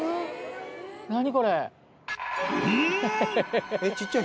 何これ？